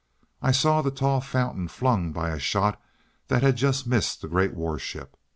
I saw the tall fountain flung by a shot that had just missed the great warship.